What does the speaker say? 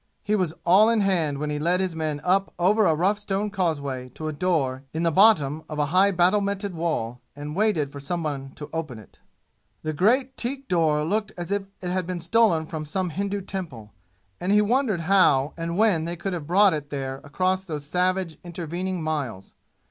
He was all in hand when he led his men up over a rough stone causeway to a door in the bottom of a high battlemented wall and waited for somebody to open it. The great teak door looked as if it had been stolen from some Hindu temple, and he wondered how and when they could have brought it there across those savage intervening miles.